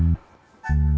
duduk dulu ya kang